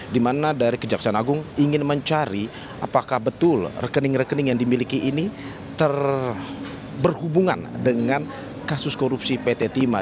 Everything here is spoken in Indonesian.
di mana dari kejaksaan agung ingin mencari apakah betul rekening rekening yang dimiliki ini berhubungan dengan kasus korupsi pt timah